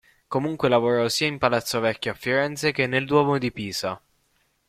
Comunque lavorò sia in Palazzo Vecchio a Firenze che nel duomo di Pisa.